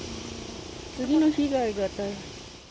次の被害が。